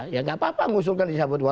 ya nggak apa apa ngusulkan dicabut